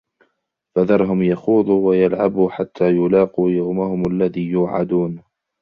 فذرهم يخوضوا ويلعبوا حتى يلاقوا يومهم الذي يوعدون